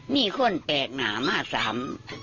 มีคนแปลกหน่ามาสาม